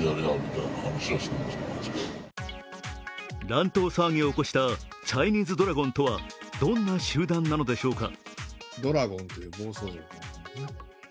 乱闘騒ぎを起こしたチャイニーズドラゴンとはどんな集団なのでしょうか。